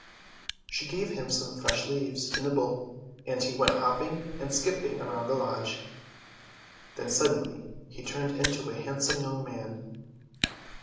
She gave him some fresh leaves to nib ble, and he went hopping and skipping around the lodge. Then suddenly he turned into a handsome young man.